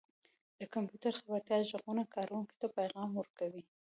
• د کمپیوټر خبرتیا ږغونه کاروونکو ته پیغام ورکوي.